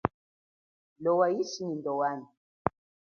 Lowa ishi nyi ndowanyi.